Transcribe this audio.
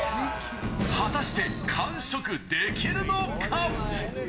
果たして、完食できるのか？